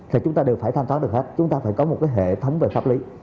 thì chúng ta đều phải thanh toán được hết chúng ta phải có một cái hệ thống về pháp lý